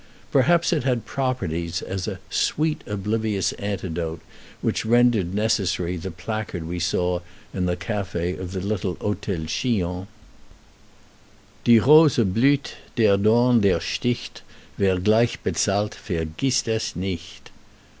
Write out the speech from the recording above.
Perhaps it had properties as a "sweet, oblivious antidote" which rendered necessary the placard we saw in the café of the little Hôtel Chillon: "Die Rose blüht, Der Dorn der sticht; Wer gleich bezahlt Vergisst es nicht."